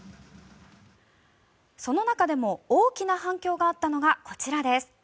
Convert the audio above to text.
その中でも大きな反響があったのがこちらです。